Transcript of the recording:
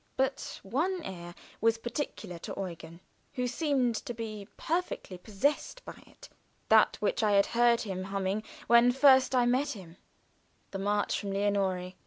But one air was particular to Eugen, who seemed to be perfectly possessed by it that which I had heard him humming when I first met him the March from "Lenore."